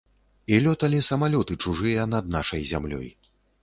І лёталі самалёты чужыя над нашай зямлёй.